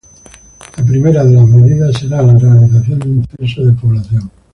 La primera de las medidas será la realización de un censo de población.